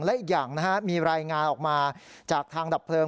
และอีกอย่างมีรายงานออกมาจากทางดับเพลิง